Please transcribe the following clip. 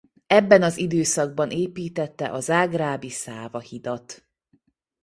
Ebben az időszakban építette a zágrábi Száva-hidat.